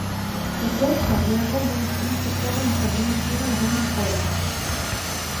Па-першае, для яго было прынцыповым, каб я насіла ягонае прозвішча.